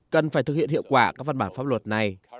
cần phải thực hiện hiệu quả các văn bản pháp luật này